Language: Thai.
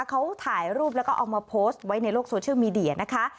เขาถ่ายรูปแล้วก็เอามาโพสต์ไว้ในโลกโซเชียลมีเดียนะคะ